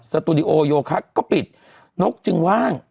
สตูดิโอโยคักก็ปิดนกจึงว่าง